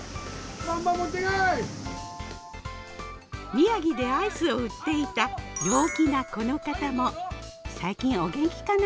宮城でアイスを売っていた陽気なこの方も最近お元気かな。